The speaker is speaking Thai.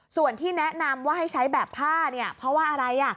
ส่วนที่แนะนำว่าให้ใช้แบบผ้าเนี่ยเพราะว่าอะไร